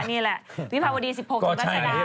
นี่แหละวิภาวดี๑๖สุมรสดา